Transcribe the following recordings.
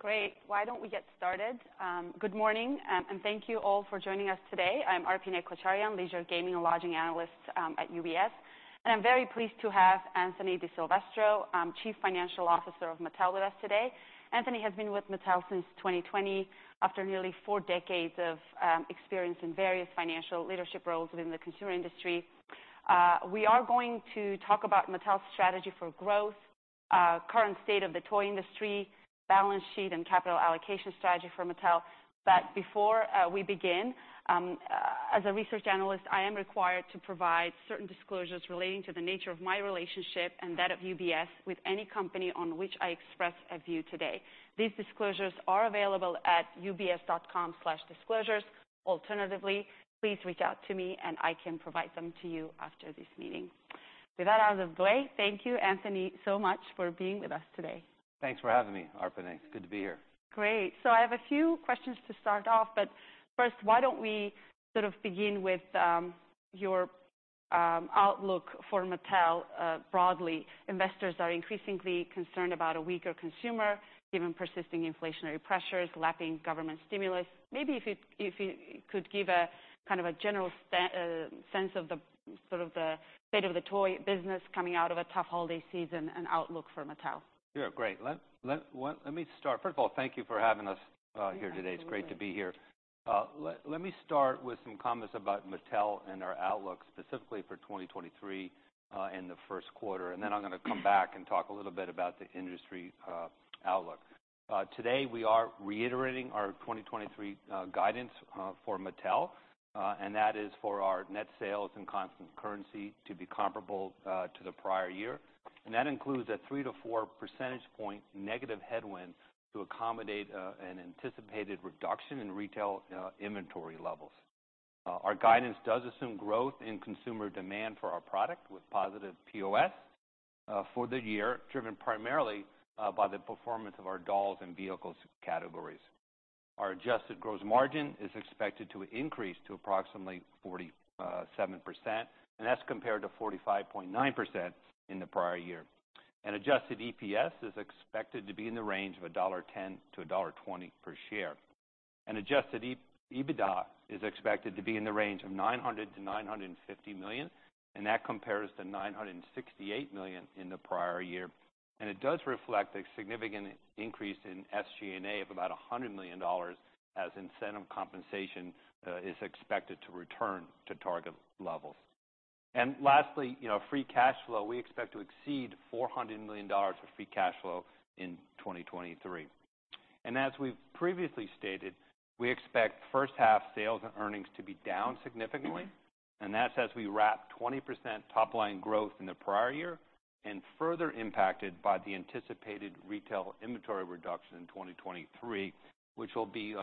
Great. Why don't we get started? Good morning, and thank you all for joining us today. I'm Arpine Kocharyan, Leisure, Gaming, and Lodging analyst, at UBS. I'm very pleased to have Anthony DiSilvestro, Chief Financial Officer of Mattel with us today. Anthony has been with Mattel since 2020, after nearly four decades of experience in various financial leadership roles within the consumer industry. We are going to talk about Mattel's strategy for growth, current state of the toy industry, balance sheet, and capital allocation strategy for Mattel. Before we begin, as a research analyst, I am required to provide certain disclosures relating to the nature of my relationship and that of UBS with any company on which I express a view today. These disclosures are available at ubs.com/disclosures. Alternatively, please reach out to me, and I can provide them to you after this meeting. With that out of the way, thank you, Anthony, so much for being with us today. Thanks for having me, Arpine. It's good to be here. Great. I have a few questions to start off, but first, why don't we sort of begin with your outlook for Mattel broadly. Investors are increasingly concerned about a weaker consumer given persisting inflationary pressures, lapping government stimulus. Maybe if you, if you could give a kind of a general sense of the sort of the state of the toy business coming out of a tough holiday season and outlook for Mattel. Sure. Great. Let me start. First of all, thank you for having us here today. Yeah, absolutely. It's great to be here. Let me start with some comments about Mattel and our outlook specifically for 2023 in the first quarter, and then I'm gonna come back and talk a little bit about the industry outlook. Today we are reiterating our 2023 guidance for Mattel, and that is for our net sales and constant currency to be comparable to the prior year. That includes a 3-4 percentage point negative headwind to accommodate an anticipated reduction in retail inventory levels. Our guidance does assume growth in consumer demand for our product with positive POS for the year, driven primarily by the performance of our dolls and vehicles categories. Our adjusted gross margin is expected to increase to approximately 47%, and that's compared to 45.9% in the prior year. Adjusted EPS is expected to be in the range of $1.10-$1.20 per share. Adjusted EBITDA is expected to be in the range of $900 million-$950 million, and that compares to $968 million in the prior year. It does reflect a significant increase in SG&A of about $100 million as incentive compensation is expected to return to target levels. Lastly, you know, free cash flow, we expect to exceed $400 million for free cash flow in 2023. As we've previously stated, we expect first half sales and earnings to be down significantly, and that's as we wrap 20% top line growth in the prior year and further impacted by the anticipated retail inventory reduction in 2023, which will be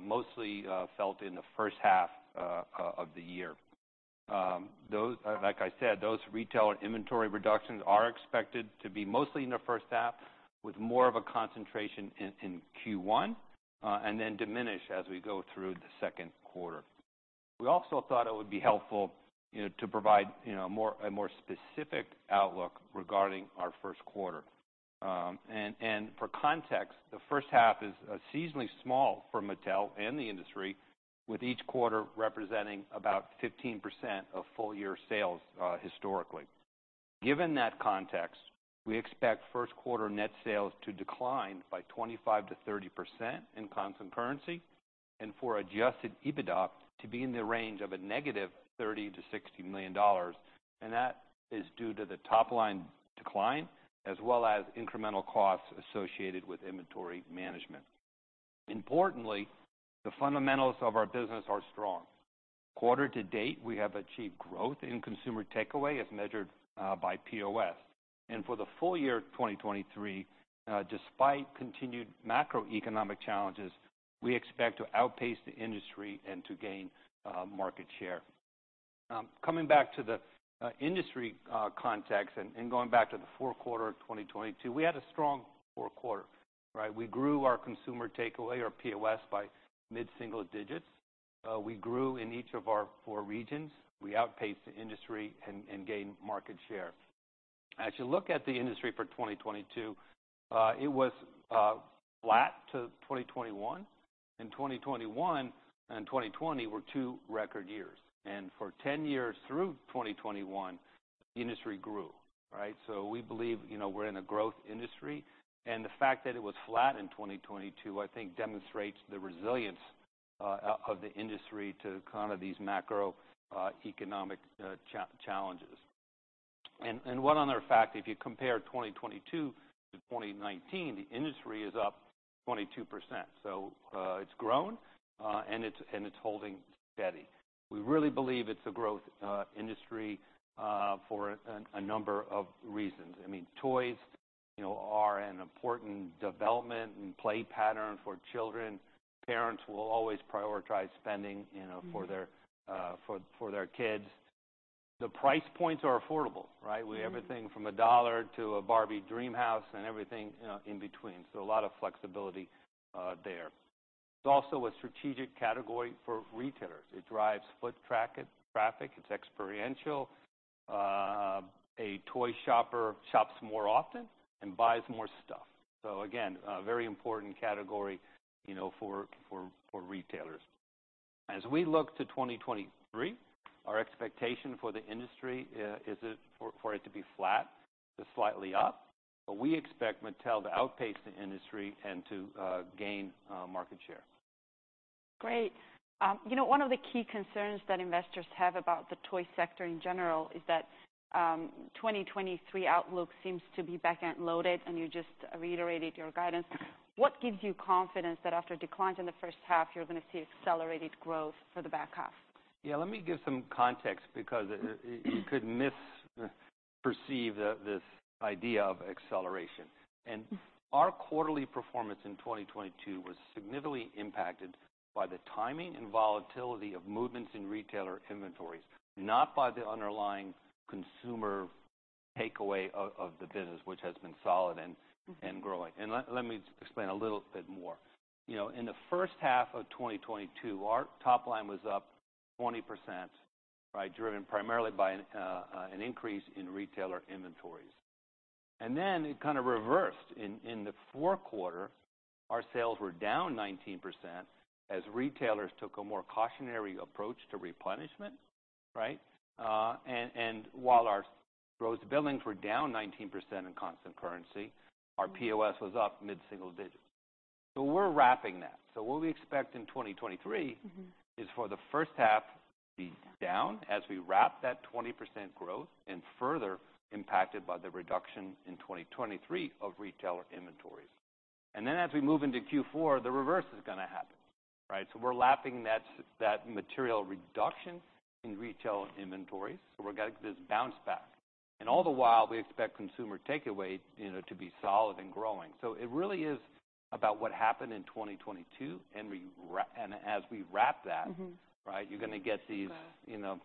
mostly felt in the first half of the year. Like I said, those retail inventory reductions are expected to be mostly in the first half with more of a concentration in Q1, and then diminish as we go through the second quarter. We also thought it would be helpful, you know, to provide, you know, more, a more specific outlook regarding our first quarter. For context, the first half is seasonally small for Mattel and the industry, with each quarter representing about 15% of full year sales historically. Given that context, we expect first quarter net sales to decline by 25%-30% in constant currency and for adjusted EBITDA to be in the range of -$30 million-$60 million, and that is due to the top line decline as well as incremental costs associated with inventory management. Importantly, the fundamentals of our business are strong. Quarter to date, we have achieved growth in consumer takeaway as measured by POS. For the full year 2023, despite continued macroeconomic challenges, we expect to outpace the industry and to gain market share. Coming back to the industry context and going back to the fourth quarter of 2022, we had a strong fourth quarter, right? We grew our consumer takeaway or POS by mid-single digits. We grew in each of our four regions. We outpaced the industry and gained market share. As you look at the industry for 2022, it was flat to 2021, and 2021 and 2020 were two record years. For 10 years through 2021, the industry grew, right? We believe, you know, we're in a growth industry, and the fact that it was flat in 2022, I think demonstrates the resilience of the industry to counter these macroeconomic challenges. One other fact, if you compare 2022 to 2019, the industry is up 22%. It's grown and it's holding steady. We really believe it's a growth industry for a number of reasons. I mean, toys, you know, are an important development and play pattern for children. Parents will always prioritize spending, you know, for their kids. The price points are affordable, right? We have everything from $1 to a Barbie Dreamhouse and everything, you know, in between. A lot of flexibility there. It's also a strategic category for retailers. It drives foot traffic, it's experiential. A toy shopper shops more often and buys more stuff. Again, a very important category, you know, for retailers. As we look to 2023, our expectation for the industry is for it to be flat to slightly up. We expect Mattel to outpace the industry and to gain market share. Great. you know, one of the key concerns that investors have about the toy sector in general is that, 2023 outlook seems to be back-end loaded, and you just reiterated your guidance. What gives you confidence that after declines in the first half, you're gonna see accelerated growth for the back half? Yeah, let me give some context because you could misperceive this idea of acceleration. Our quarterly performance in 2022 was significantly impacted by the timing and volatility of movements in retailer inventories, not by the underlying consumer takeaway of the business, which has been solid and growing. Let me explain a little bit more. You know, in the first half of 2022, our top line was up 20%, right? Driven primarily by an increase in retailer inventories. Then it kind of reversed. In the fourth quarter, our sales were down 19% as retailers took a more cautionary approach to replenishment, right? And while our gross billings were down 19% in constant currency, our POS was up mid-single digits. We're wrapping that. What we expect in 2023 is for the first half to be down as we wrap that 20% growth and further impacted by the reduction in 2023 of retailer inventories. As we move into Q4, the reverse is gonna happen, right? We're lapping that material reduction in retail inventories, we're gonna this bounce back. All the while, we expect consumer takeaway, you know, to be solid and growing. It really is about what happened in 2022, and as we wrap that, right, you're gonna get these, you know,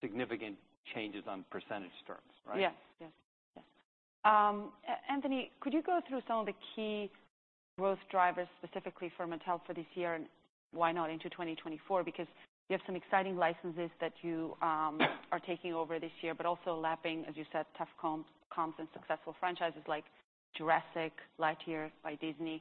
significant changes on percentage terms, right? Yes. Yes. Yes. Anthony, could you go through some of the key growth drivers specifically for Mattel for this year and why not into 2024? Because you have some exciting licenses that you are taking over this year, but also lapping, as you said, tough comms and successful franchises like Jurassic, Lightyear by Pixar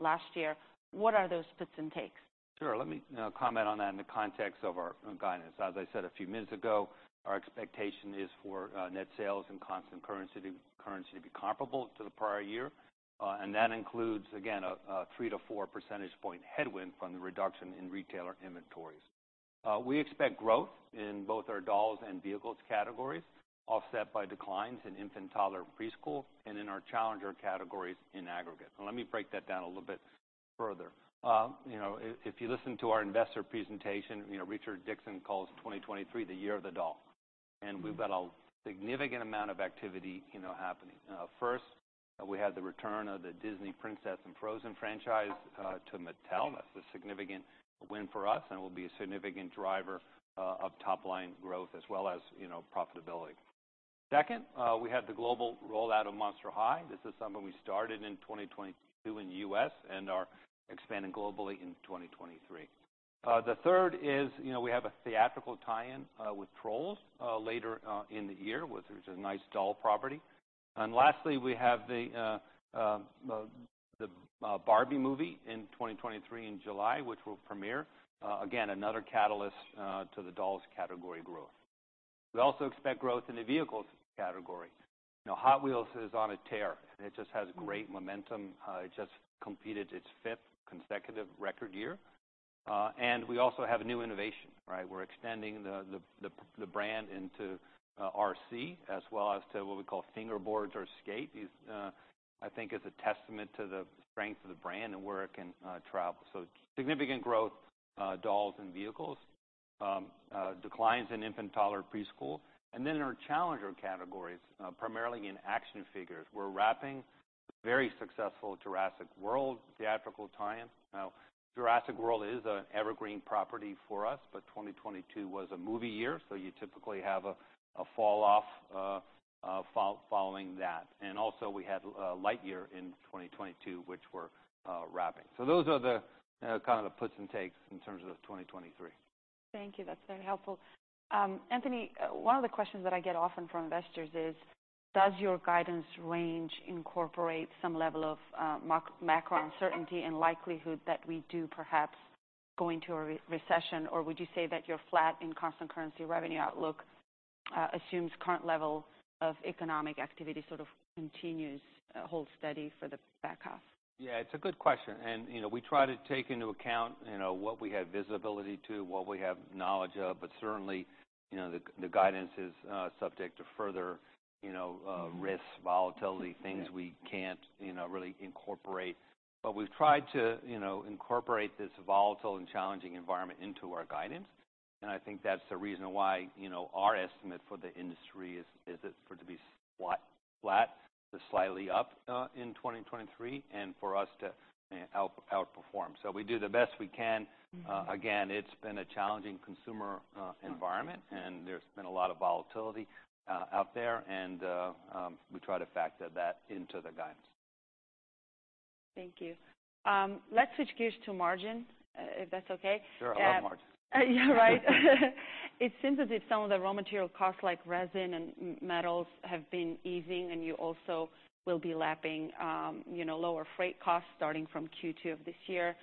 last year. What are those puts and takes? Sure. Let me comment on that in the context of our guidance. As I said a few minutes ago, our expectation is for net sales and constant currency to be comparable to the prior year, and that includes, again, a 3-4 percentage point headwind from the reduction in retailer inventories. We expect growth in both our dolls and vehicles categories, offset by declines in infant, toddler, and preschool, and in our challenger categories in aggregate. Let me break that down a little bit further. You know, if you listen to our investor presentation, you know, Richard Dickson calls 2023 the year of the doll. We've got a significant amount of activity, you know, happening. First, we have the return of the Disney Princess and Frozen franchise to Mattel. That's a significant win for us and will be a significant driver of top-line growth as well as, you know, profitability. Second, we have the global rollout of Monster High. This is something we started in 2022 in the US and are expanding globally in 2023. The third is, you know, we have a theatrical tie-in with Trolls later in the year, which is a nice doll property. Lastly, we have the Barbie movie in 2023 in July, which will premiere. Again, another catalyst to the dolls category growth. We also expect growth in the vehicles category. You know, Hot Wheels is on a tear, and it just has great momentum. It just completed its fifth consecutive record year. We also have a new innovation, right? We're extending the brand into RC as well as to what we call fingerboards or skate. These, I think is a testament to the strength of the brand and where it can travel. Significant growth, dolls and vehicles. Declines in infant, toddler, preschool. Then in our challenger categories, primarily in action figures. We're wrapping the very successful Jurassic World theatrical tie-in. Jurassic World is an evergreen property for us, but 2022 was a movie year, so you typically have a fall off following that. Also, we had Lightyear in 2022, which we're wrapping. Those are the kind of the puts and takes in terms of 2023. Thank you. That's very helpful. Anthony, one of the questions that I get often from investors is, does your guidance range incorporate some level of macro uncertainty and likelihood that we do perhaps go into a recession? Would you say that your flat and constant currency revenue outlook assumes current level of economic activity sort of continues, holds steady for the back half? Yeah, it's a good question. You know, we try to take into account, you know, what we have visibility to, what we have knowledge of, but certainly, you know, the guidance is, subject to further, you know, risks, volatility, things we can't, you know, really incorporate. We've tried to, you know, incorporate this volatile and challenging environment into our guidance, and I think that's the reason why, you know, our estimate for the industry is it for it to be flat to slightly up in 2023 and for us to outperform. We do the best we can. Again, it's been a challenging consumer environment, and there's been a lot of volatility out there and we try to factor that into the guidance. Thank you. Let's switch gears to margin, if that's okay. Sure, I love margins. Yeah, right. It seems as if some of the raw material costs, like resin and metals, have been easing, and you also will be lapping, you know, lower freight costs starting from Q2 of this year.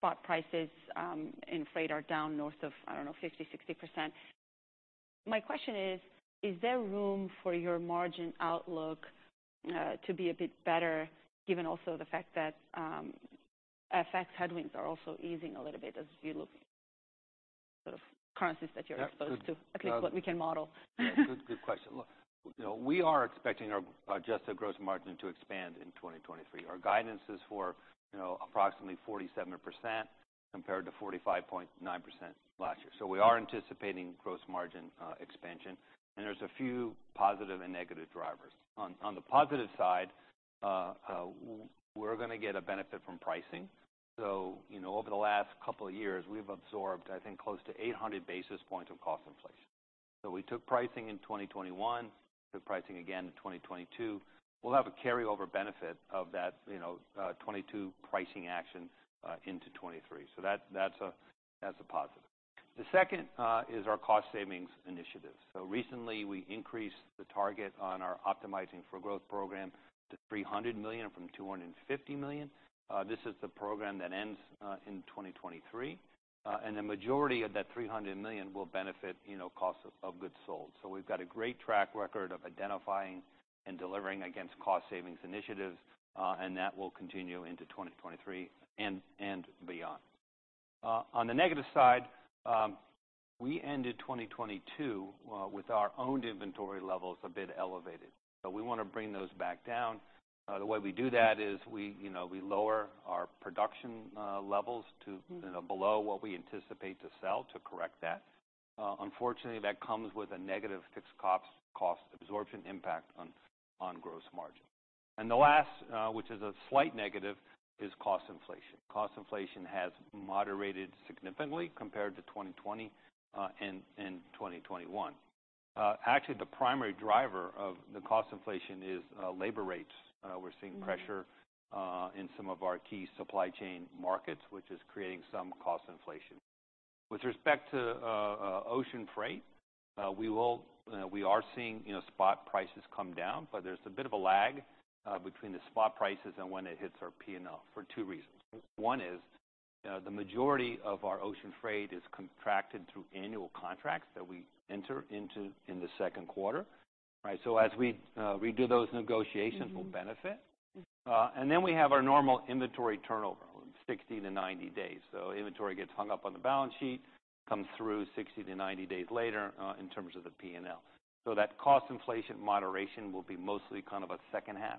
Spot prices and freight are down north of, I don't know, 50%, 60%. My question is: Is there room for your margin outlook to be a bit better, given also the fact that FX headwinds are also easing a little bit as you look at sort of currencies that you're exposed to, at least what we can model? Yeah. Good question. Look, you know, we are expecting our adjusted gross margin to expand in 2023. Our guidance is for, you know, approximately 47% compared to 45.9% last year. We are anticipating gross margin expansion, and there's a few positive and negative drivers. On the positive side, we're gonna get a benefit from pricing. You know, over the last couple of years, we've absorbed, I think, close to 800 basis points of cost inflation. We took pricing in 2021, took pricing again in 2022. We'll have a carryover benefit of that, you know, 2022 pricing action into 2023. That's a positive. The second is our cost savings initiatives. Recently we increased the target on our Optimizing for Growth program to $300 million from $250 million. This is the program that ends in 2023. The majority of that $300 million will benefit, you know, cost of goods sold. We've got a great track record of identifying and delivering against cost savings initiatives, and that will continue into 2023 and beyond. On the negative side, we ended 2022 with our owned inventory levels a bit elevated, so we wanna bring those back down. The way we do that is we, you know, we lower our production levels to, you know, below what we anticipate to sell to correct that. Unfortunately, that comes with a negative fixed cost absorption impact on gross margin. The last, which is a slight negative, is cost inflation. Cost inflation has moderated significantly compared to 2020, and 2021. Actually the primary driver of the cost inflation is labor rates. We're seeing pressure in some of our key supply chain markets, which is creating some cost inflation. With respect to ocean freight, we are seeing, you know, spot prices come down, but there's a bit of a lag between the spot prices and when it hits our P&L for two reasons. One is, the majority of our ocean freight is contracted through annual contracts that we enter into in the second quarter, right? As we redo those negotiations, we'll benefit. Then we have our normal inventory turnover, 60 to 90 days. Inventory gets hung up on the balance sheet, comes through 60 to 90 days later, in terms of the P&L. That cost inflation moderation will be mostly kind of a second half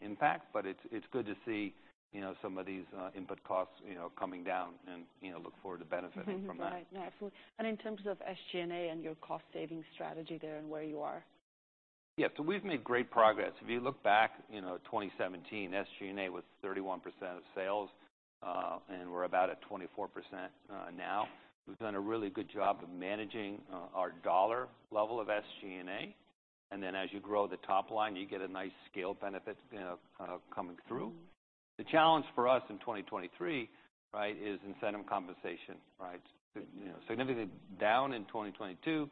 impact. It's good to see, you know, some of these input costs, you know, coming down and, you know, look forward to benefiting from that. Right. No, absolutely. In terms of SG&A and your cost saving strategy there and where you are. Yeah. We've made great progress. If you look back, you know, at 2017, SG&A was 31% of sales, and we're about at 24% now. We've done a really good job of managing our dollar level of SG&A, and then as you grow the top line, you get a nice scale benefit, you know, coming through. The challenge for us in 2023, right, is incentive compensation, right? You know, significantly down in 2022.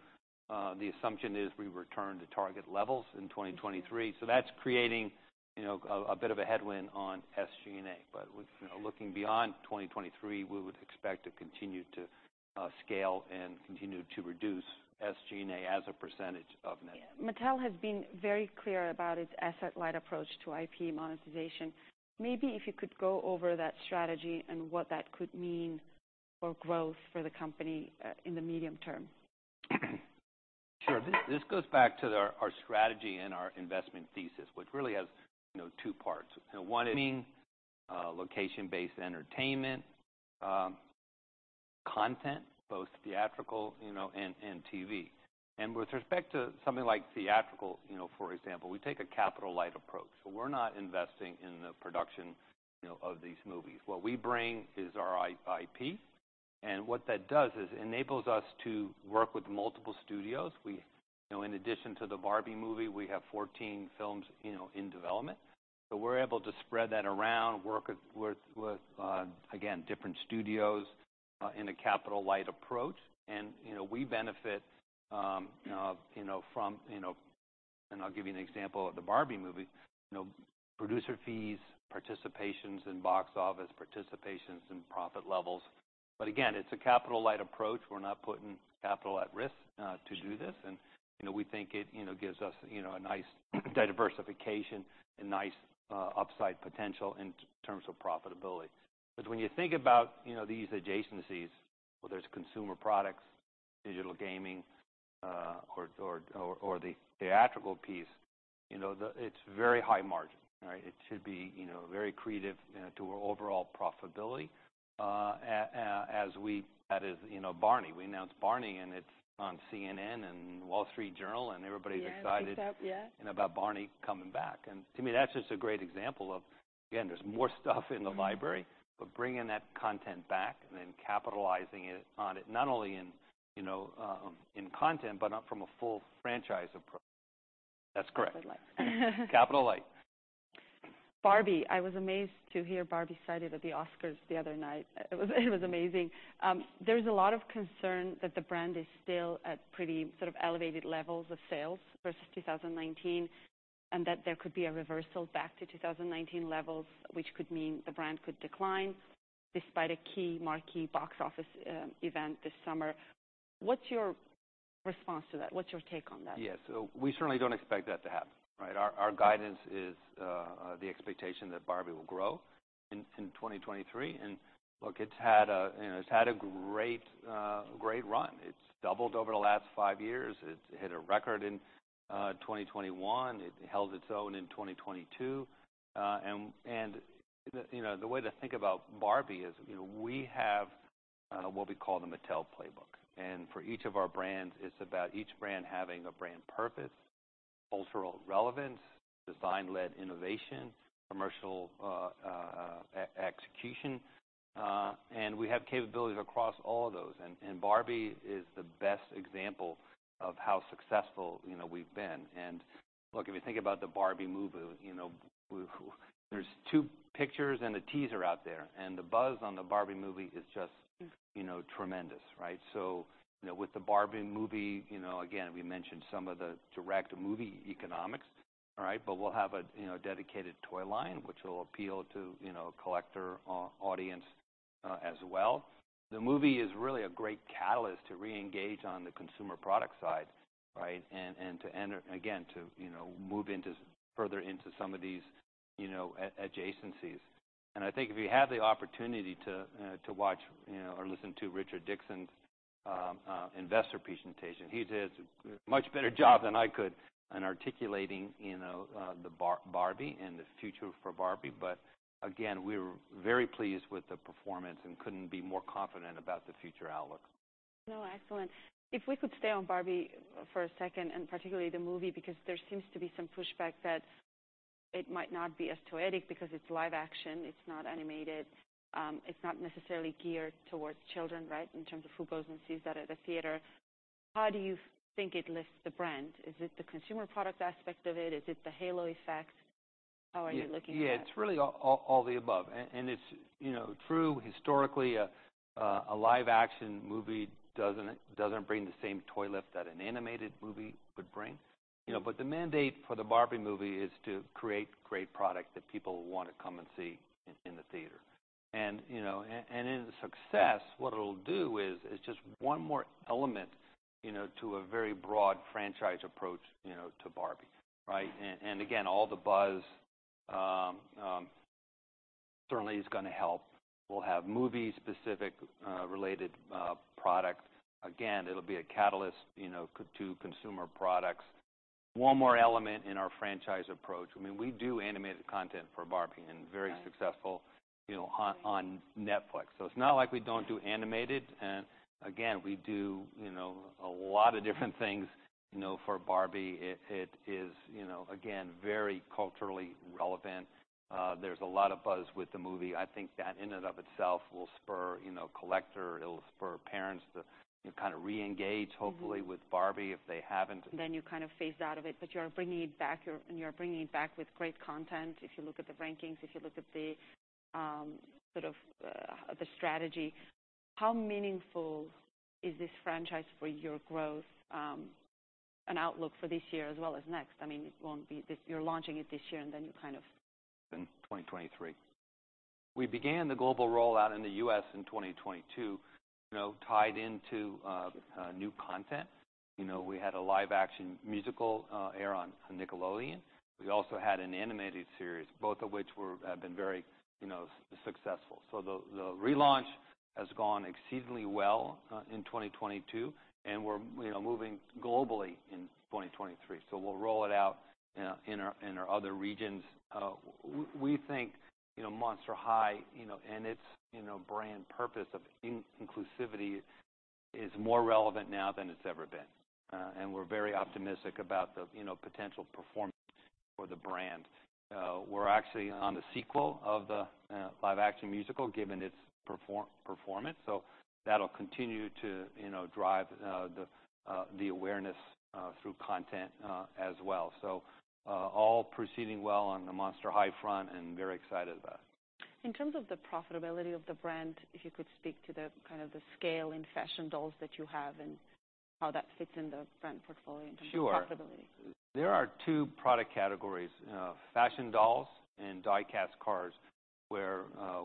The assumption is we return to target levels in 2023. That's creating, you know, a bit of a headwind on SG&A. With, you know, looking beyond 2023, we would expect to continue to scale and continue to reduce SG&A as a percentage of net. Yeah. Mattel has been very clear about its asset light approach to IP monetization. Maybe if you could go over that strategy and what that could mean for growth for the company in the medium term. Sure. This goes back to our strategy and our investment thesis, which really has, you know, two parts. You know, one being, location-based entertainment, content, both theatrical, you know, and TV. With respect to something like theatrical, you know, for example, we take a capital light approach. So we're not investing in the production, you know, of these movies. What we bring is our IP, and what that does is enables us to work with multiple studios. We, you know, in addition to the Barbie movie, we have 14 films, you know, in development. So we're able to spread that around, work with, again, different studios, in a capital light approach. You know, we benefit, you know, from, you know. I'll give you an example of the Barbie movie. You know, producer fees, participations in box office, participations in profit levels. Again, it's a capital light approach. We're not putting capital at risk to do this. You know, we think it, you know, gives us, you know, a nice diversification and nice upside potential in terms of profitability. When you think about, you know, these adjacencies, whether it's consumer products, digital gaming, or the theatrical piece, you know, it's very high margin, right? It should be, you know, very accretive to our overall profitability. That is, you know, Barney. We announced Barney, and it's on CNN and Wall Street Journal, and everybody's excited. Yeah. It's big stuff, yeah About Barney coming back. To me, that's just a great example of, again, there's more stuff in the library, but bringing that content back and then capitalizing it, on it, not only in, you know, in content, but from a full franchise approach. That's correct. Capital Light. Barbie. I was amazed to hear Barbie cited at the Oscars the other night. It was amazing. There's a lot of concern that the brand is still at pretty, sort of elevated levels of sales versus 2019, and that there could be a reversal back to 2019 levels, which could mean the brand could decline despite a key marquee box office event this summer. What's your response to that? What's your take on that? Yes. We certainly don't expect that to happen, right? Our guidance is the expectation that Barbie will grow in 2023. Look, it's had a, you know, it's had a great run. It's doubled over the last five years. It hit a record in 2021. It held its own in 2022. You know, the way to think about Barbie is, you know, we have what we call the Mattel Playbook. For each of our brands, it's about each brand having a brand purpose, cultural relevance, design-led innovation, commercial execution. We have capabilities across all of those. Barbie is the best example of how successful, you know, we've been. Look, if you think about the Barbie movie, you know, there's two pictures and a teaser out there, the buzz on the Barbie movie is just-. You know, tremendous, right? With the Barbie movie, you know, again, we mentioned some of the direct movie economics, all right? We'll have a, you know, dedicated toy line which will appeal to, you know, a collector audience, as well. The movie is really a great catalyst to reengage on the consumer product side, right? To enter again, to, you know, move into further into some of these, you know, adjacencies. I think if you have the opportunity to watch, you know, or listen to Richard Dickson's investor presentation, he did a much better job than I could in articulating, you know, the Barbie and the future for Barbie. Again, we're very pleased with the performance and couldn't be more confident about the future outlook. No, excellent. If we could stay on Barbie for a second, and particularly the movie, because there seems to be some pushback that it might not be as toyetic because it's live action, it's not animated, it's not necessarily geared towards children, right? In terms of who goes and sees that at a theater. How do you think it lifts the brand? Is it the consumer product aspect of it? Is it the halo effect? How are you looking at that? It's really all the above. It's, you know, true historically, a live action movie doesn't bring the same toy lift that an animated movie would bring. You know, the mandate for the Barbie movie is to create great product that people wanna come and see in the theater. You know, in success, what it'll do is just one more element, you know, to a very broad franchise approach, you know, to Barbie, right? Again, all the buzz certainly is gonna help. We'll have movie specific, related products. Again, it'll be a catalyst, you know, to consumer products. One more element in our franchise approach. I mean, we do animated content for Barbie.. Very successful, you know, on Netflix. It's not like we don't do animated, and again, we do, you know, a lot of different things, you know, for Barbie. It is, you know, again, very culturally relevant. There's a lot of buzz with the movie. I think that in and of itself will spur, you know, collector. It'll spur parents to kind of reengage hopefull. With Barbie if they haven't. You kind of phased out of it. You're bringing it back, and you're bringing it back with great content. If you look at the rankings, if you look at the sort of the strategy, how meaningful is this franchise for your growth and outlook for this year as well as next? It won't be. If you're launching it this year. In 2023. We began the global rollout in the U.S. in 2022, you know, tied into new content. You know, we had a live action musical air on Nickelodeon. We also had an animated series, both of which have been very, you know, successful. The relaunch has gone exceedingly well in 2022, and we're, you know, moving globally in 2023. We'll roll it out, you know, in our, in our other regions. We think, you know, Monster High, you know, and its, you know, brand purpose of inclusivity is more relevant now than it's ever been. We're very optimistic about the, you know, potential performance for the brand. We're actually on the sequel of the live action musical, given its performance, so that'll continue to, you know, drive the awareness through content as well. All proceeding well on the Monster High front and very excited about it. In terms of the profitability of the brand, if you could speak to the, kind of the scale in fashion dolls that you have and how that fits in the brand portfolio in terms of profitability? Sure. There are two product categories, fashion dolls and die-cast cars, where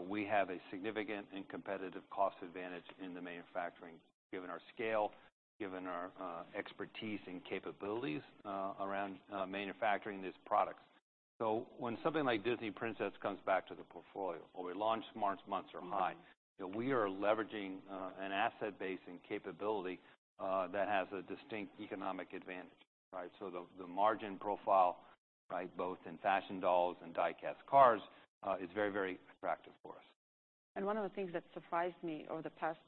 we have a significant and competitive cost advantage in the manufacturing given our scale, given our expertise and capabilities around manufacturing these products. When something like Pixar Princess comes back to the portfolio or we launch Monster High, we are leveraging an asset base and capability that has a distinct economic advantage, right? The, the margin profile, right, both in fashion dolls and die-cast cars, is very, very attractive for us. One of the things that surprised me over the past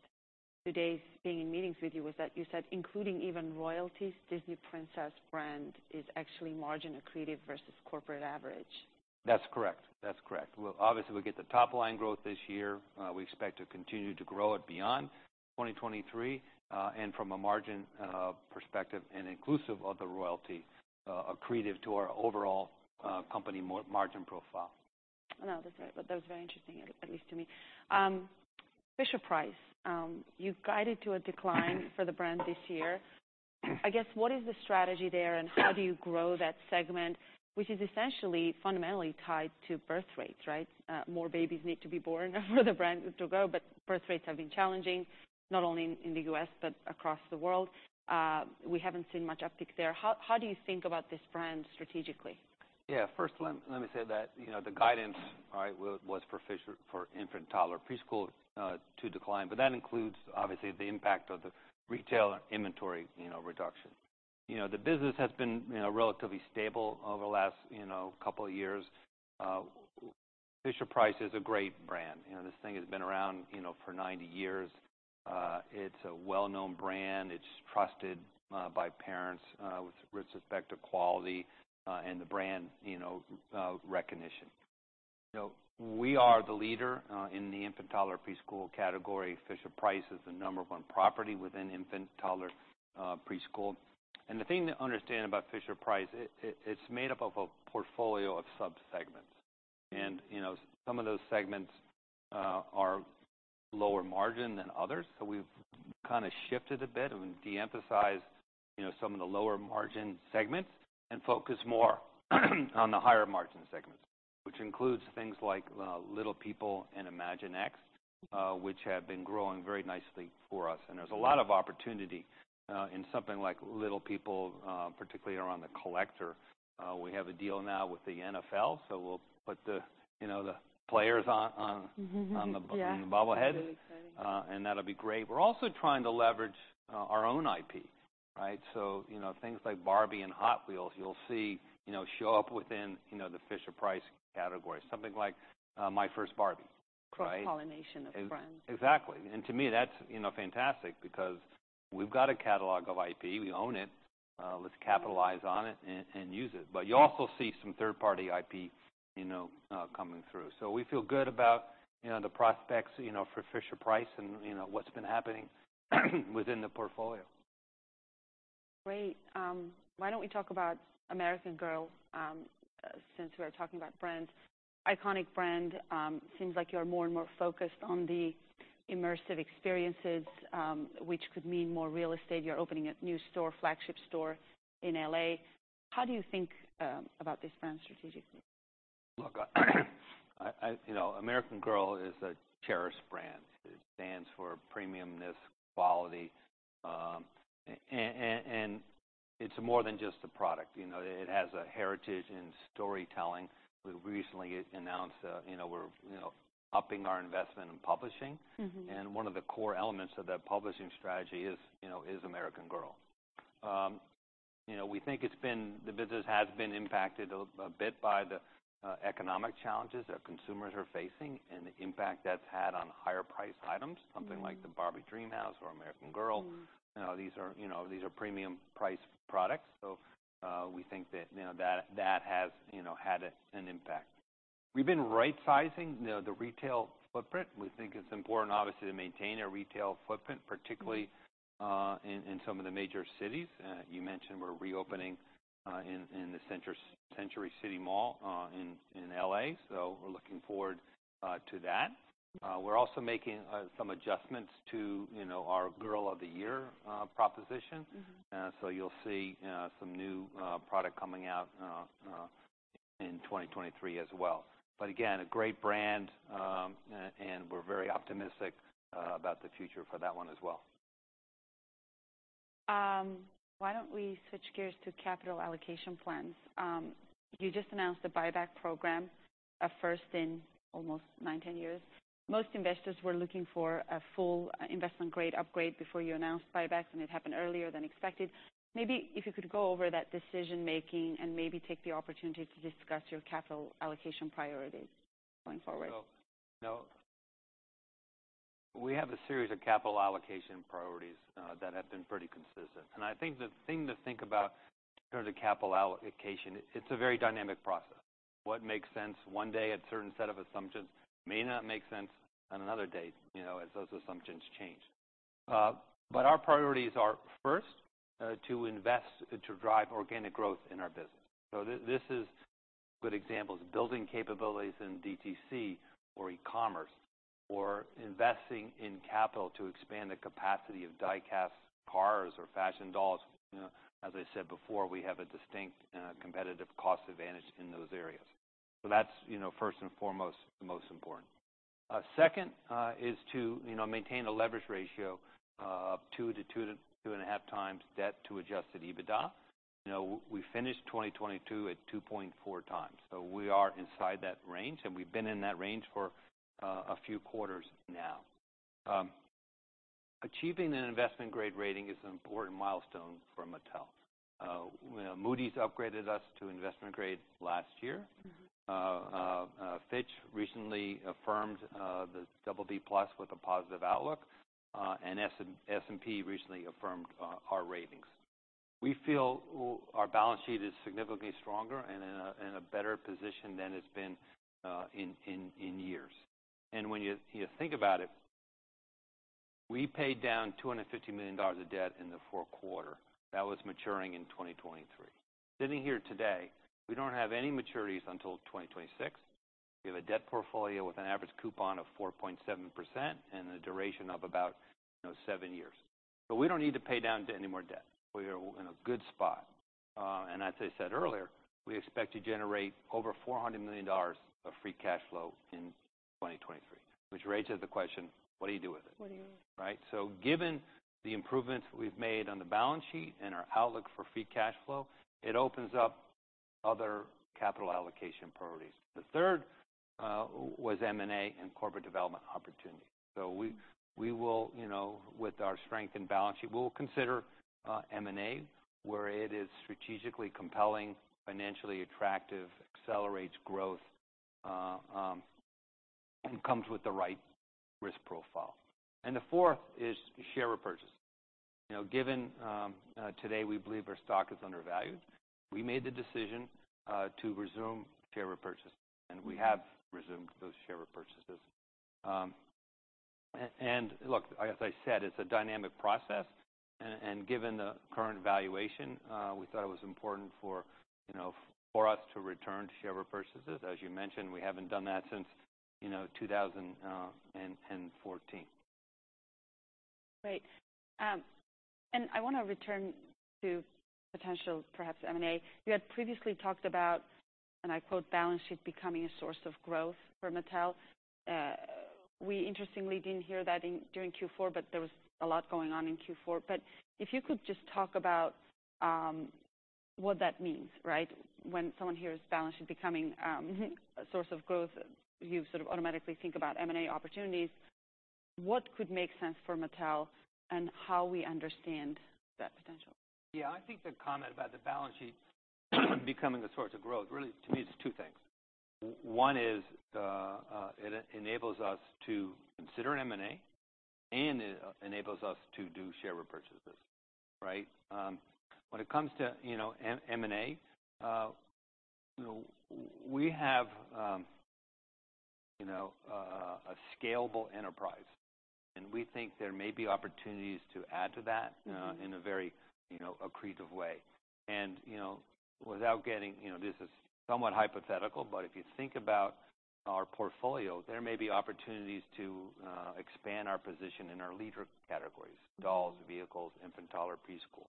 few days being in meetings with you was that you said, including even royalties, Pixar Princess brand is actually margin accretive versus corporate average. That's correct. Obviously, we'll get the top line growth this year. We expect to continue to grow it beyond 2023. From a margin, perspective and inclusive of the royalty, accretive to our overall, company margin profile. I know. That's right. That was very interesting, at least to me. Fisher-Price, you've guided to a decline for the brand this year. I guess, what is the strategy there and how do you grow that segment, which is essentially fundamentally tied to birth rates, right? More babies need to be born for the brand to grow, but birth rates have been challenging, not only in the U.S., but across the world. We haven't seen much uptick there. How do you think about this brand strategically? Yeah. First let me say that, you know, the guidance, all right, was for Fisher-Price, for infant, toddler, preschool, to decline, but that includes obviously the impact of the retail inventory, you know, reduction. You know, the business has been, you know, relatively stable over the last, you know, couple of years. Fisher-Price is a great brand. You know, this thing has been around, you know, for 90 years. It's a well-known brand. It's trusted by parents with respect to quality and the brand, you know, recognition. You know, we are the leader in the infant, toddler, preschool category. Fisher-Price is the number one property within infant, toddler, preschool. The thing to understand about Fisher-Price, it's made up of a portfolio of sub-segments. Some of those segments are lower margin than others. We've kinda shifted a bit and we de-emphasized, you know, some of the lower margin segments and focused more on the higher margin segments, which includes things like Little People and Imaginext, which have been growing very nicely for us. There's a lot of opportunity in something like Little People, particularly around the collector. We have a deal now with the NFL, so we'll put the, you know, the player on the bobblehead. Really exciting. That'll be great. We're also trying to leverage our own IP, right? You know, things like Barbie and Hot Wheels, you'll see, you know, show up within, you know, the Fisher-Price category, something like My First Barbie, right? Cross-pollination of brands. Exactly. To me, that's, you know, fantastic because we've got a catalog of IP, we own it, let's capitalize on it and use it. You also see some third-party IP, you know, coming through. We feel good about, you know, the prospects, you know, for Fisher-Price and, you know, what's been happening within the portfolio. Great. why don't we talk about American Girl since we're talking about brands. Iconic brand. seems like you're more and more focused on the immersive experiences, which could mean more real estate. You're opening a new store, flagship store in LA. How do you think about this brand strategically? Look, I, you know, American Girl is a cherished brand. It stands for premiumness, quality, and it's more than just a product. You know, it has a heritage in storytelling. We recently announced, you know, we're, you know, upping our investment in publishing. One of the core elements of that publishing strategy is, you know, is American Girl. You know, we think the business has been impacted a bit by the economic challenges that consumers are facing and the impact that's had on higher priced items. Something like the Barbie Dreamhouse or American Girl. You know, these are, you know, these are premium price products. We think that, you know, that has, you know, had an impact. We've been rightsizing the retail footprint. We think it's important, obviously, to maintain a retail footprint, particularly, in some of the major cities. You mentioned we're reopening in the Westfield Century City in L.A., so we're looking forward to that. We're also making some adjustments to, you know, our Girl of the Year proposition. You'll see some new product coming out in 2023 as well. Again, a great brand, and we're very optimistic about the future for that one as well. Why don't we switch gears to capital allocation plans? You just announced a buyback program, a first in almost 19 years. Most investors were looking for a full investment grade upgrade before you announced buybacks, and it happened earlier than expected. Maybe if you could go over that decision-making and maybe take the opportunity to discuss your capital allocation priorities going forward. You know, we have a series of capital allocation priorities that have been pretty consistent. I think the thing to think about in terms of capital allocation, it's a very dynamic process. What makes sense one day, a certain set of assumptions may not make sense on another day, you know, as those assumptions change. But our priorities are first to invest, to drive organic growth in our business. This is good examples, building capabilities in DTC or e-commerce, or investing in capital to expand the capacity of die-cast cars or fashion dolls. You know, as I said before, we have a distinct competitive cost advantage in those areas. That's, you know, first and foremost, the most important. Second is to, you know, maintain a leverage ratio of 2 to 2.5x debt to adjusted EBITDA. You know, we finished 2022 at 2.4x. We are inside that range, and we've been in that range for a few quarters now. Achieving an investment-grade rating is an important milestone for Mattel. You know, Moody's upgraded us to investment grade last year. Fitch recently affirmed the BB+ with a positive outlook, and S&P recently affirmed our ratings. We feel our balance sheet is significantly stronger and in a better position than it's been in years. When you think about it, we paid down $250 million of debt in the fourth quarter that was maturing in 2023. Sitting here today, we don't have any maturities until 2026. We have a debt portfolio with an average coupon of 4.7% and a duration of about, you know, seven years. We don't need to pay down any more debt. We are in a good spot. As I said earlier, we expect to generate over $400 million of free cash flow in 2023, whhich raises the question, what do you do with it? What do you do? Right. Given the improvements we've made on the balance sheet and our outlook for free cash flow, it opens up other capital allocation priorities. The third was M&A and corporate development opportunities. We will, you know, with our strength and balance sheet, we'll consider M&A where it is strategically compelling, financially attractive, accelerates growth and comes with the right risk profile. The fourth is share repurchase. You know, given today, we believe our stock is undervalued, we made the decision to resume share repurchase, and we have resumed those share repurchases. Look, as I said, it's a dynamic process, and given the current valuation, we thought it was important for, you know, for us to return to share repurchases. As you mentioned, we haven't done that since, you know, 2014. Great. I wanna return to potential, perhaps M&A. You had previously talked about, and I quote, "Balance sheet becoming a source of growth for Mattel." We interestingly didn't hear that during Q4, but there was a lot going on in Q4. If you could just talk about what that means, right? When someone hears balance sheet becoming a source of growth, you sort of automatically think about M&A opportunities. What could make sense for Mattel, and how we understand that potential? Yeah. I think the comment about the balance sheet becoming a source of growth, really to me it's two things. One is, it enables us to consider M&A, and it enables us to do share repurchases, right? When it comes to, you know, M&A, you know, we have, you know, a scalable enterprise, and we think there may be opportunities to add to that. In a very, you know, accretive way. You know, without getting, you know, this is somewhat hypothetical, but if you think about our portfolio, there may be opportunities to expand our position in our leader categories: dolls, vehicles, infant toddler, preschool.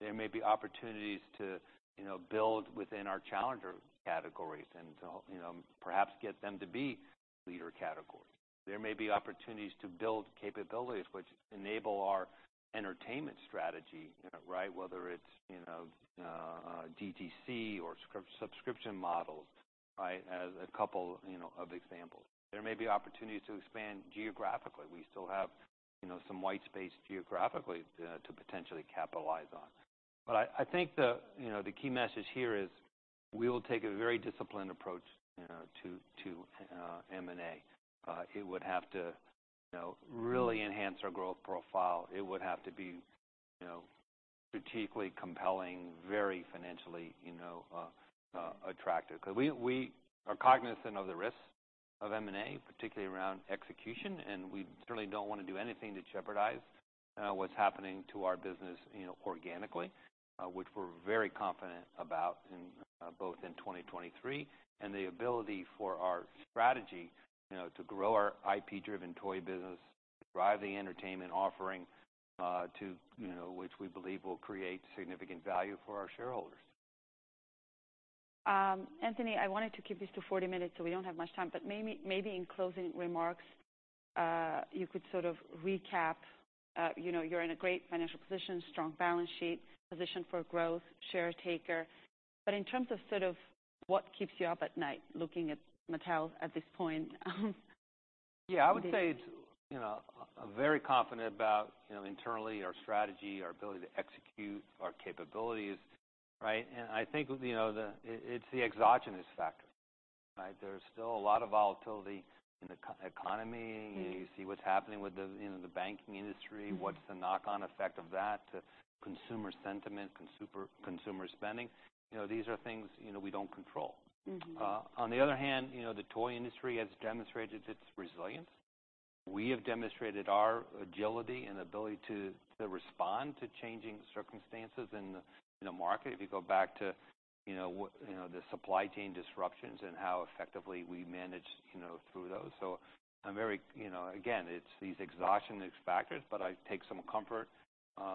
There may be opportunities to, you know, build within our challenger categories and to, you know, perhaps get them to be leader categories. There may be opportunities to build capabilities which enable our entertainment strategy, you know, right? Whether it's, you know, DTC or subscription models, right, as a couple, you know, of examples. There may be opportunities to expand geographically. We still have, you know, some white space geographically to potentially capitalize on. I think the, you know, the key message here is we will take a very disciplined approach, you know, to M&A. It would have to, you know, really enhance our growth profile. It would have to be, you know, strategically compelling, very financially, you know, attractive. 'Cause we are cognizant of the risks of M&A, particularly around execution, and we certainly don't wanna do anything to jeopardize what's happening to our business, you know, organically, which we're very confident about in both in 2023 and the ability for our strategy, you know, to grow our IP-driven toy business, drive the entertainment offering, to, you know, which we believe will create significant value for our shareholders. Anthony, I wanted to keep this to 40 minutes, so we don't have much time. Maybe in closing remarks, you could sort of recap, you know, you're in a great financial position, strong balance sheet, positioned for growth, share taker. In terms of sort of what keeps you up at night looking at Mattel at this point, what is? Yeah. I would say it's, you know, I'm very confident about, you know, internally our strategy, our ability to execute, our capabilities, right? I think, you know, it's the exogenous factors, right? There's still a lot of volatility in the co- economy. You see what's happening with the, you know, the banking industry. What's the knock-on effect of that to consumer sentiment, consumer spending? You know, these are things, you know, we don't control. On the other hand, you know, the toy industry has demonstrated its resilience. We have demonstrated our agility and ability to respond to changing circumstances in the market. If you go back to, you know, the supply chain disruptions and how effectively we managed, you know, through those. I'm very, you know, again, it's these exogenous factors, but I take some comfort,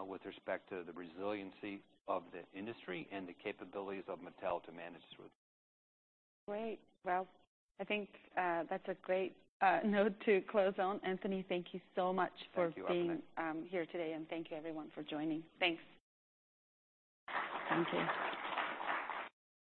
with respect to the resiliency of the industry and the capabilities of Mattel to manage through. Great. Well, I think, that's a great note to close on. Anthony, thank you so much for being- Thank you. Here today, and thank you everyone for joining. Thanks. Thank you.